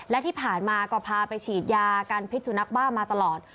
และที่ผ่านมาก็พาไปฉีดยากันพิษสุนัขบ้ามาตลอด